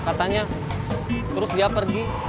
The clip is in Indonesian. kemana dia pergi